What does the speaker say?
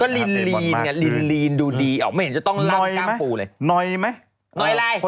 ก็อันนี้มีนไงดูดีออกไม่เห็นจะต้องรับกล้ามฟูเลยหนอยมั้ยหนอยอะไร